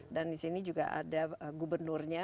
di sini juga ada gubernurnya